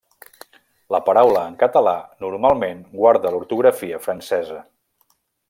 La paraula en català normalment guarda l'ortografia francesa.